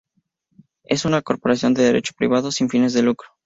Es una Corporación de Derecho Privado, sin fines de lucro.